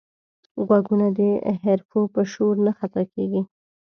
غوږونه د حرفو په شور نه خطا کېږي